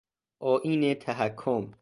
آئین تحکم